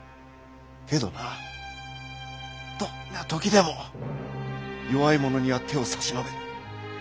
けどなどんなときでも弱い者には手を差し伸べ